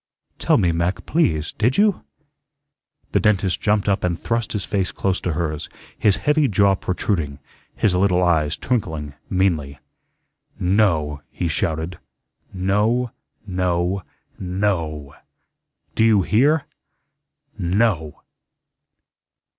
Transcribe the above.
"Tell me, Mac, please, did you?" The dentist jumped up and thrust his face close to hers, his heavy jaw protruding, his little eyes twinkling meanly. "No," he shouted. "No, no, NO. Do you hear? NO."